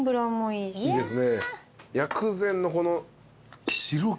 いいですね。